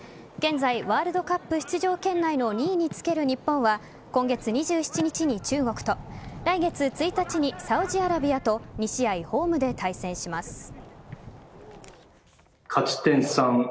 現在、ワールドカップ出場圏内の２位につける日本は今月２７日に中国と来月１日にサウジアラビアと２試合ホームで対戦します。